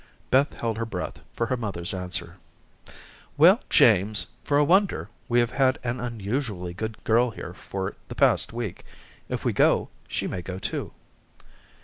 Beth held her breath for her mother's answer. "Well, James, for a wonder we have had an unusually good girl here for the past week. If we go, she may go too."